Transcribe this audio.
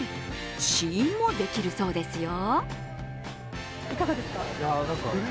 試飲もできるそうですよ。